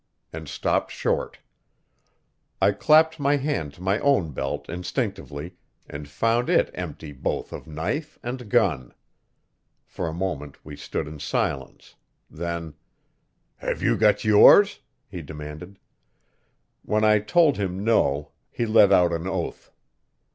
and stopped short. I clapped my hand to my own belt instinctively, and found it empty both of knife and gun! For a moment we stood in silence; then: "Have you got yours?" he demanded. When I told him no he let out an oath.